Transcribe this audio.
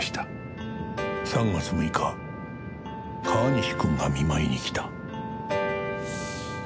「３月６日川西君が見舞いに来た」